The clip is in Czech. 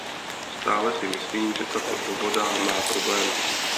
Stále si myslím, že tato dohoda má problémy.